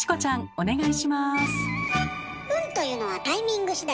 お願いします。